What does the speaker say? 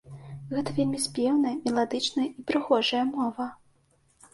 Гэта вельмі спеўная, меладычная і прыгожая мова.